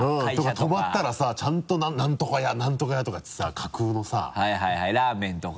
止まったらさちゃんと何とか屋何とか屋とかってさ架空のさ。はいはいラーメンとか。